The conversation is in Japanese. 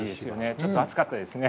ちょっと熱かったですね。